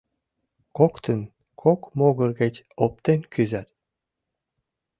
Коктын кок могыр гыч оптен кӱзат.